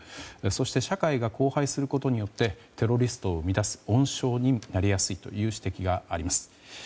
そして、社会が荒廃することによってテロリストを生み出す温床になりやすいという指摘があります。